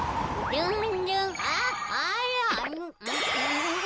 ルン！